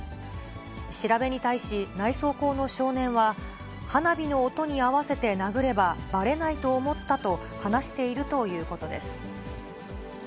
調べに対し、内装工の少年は、花火の音に合わせて殴ればばれないと思ったと、話しているということです。